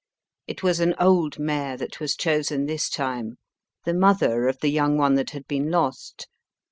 It was an old mare that was chosen this time, the morher of the young one that had been lost.